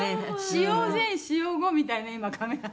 使用前使用後みたいな今カメラ。